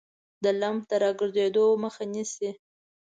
د لمف د راګرځیدو مخه نیسي.